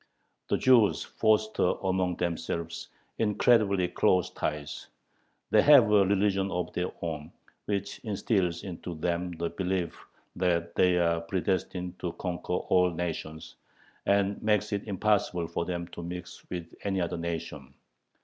The Jews "foster among themselves incredibly close ties"; they have "a religion of their own, which instils into them the belief that they are predestined to conquer all nations," and "makes it impossible for them to mix with any other nation."